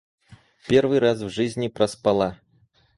Первый раз в жизни проспала.